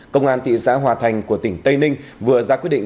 công an thị xã hòa thành của tỉnh tây ninh vừa ra quyết định